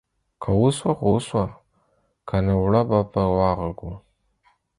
که وسوه خو وسوه ، که نه اوړه به په واغږو.